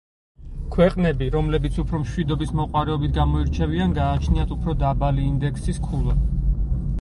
ქვეყნები, რომლებიც უფრო მშვიდობის მოყვარეობით გამოირჩევიან გააჩნიათ უფრო დაბალი ინდექსის ქულა.